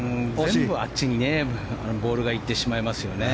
全部あっちにボールが行ってしまいますね。